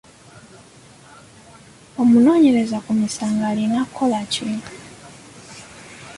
Omunoonyereza ku misango alina kukola ki?